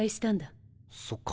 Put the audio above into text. そっか。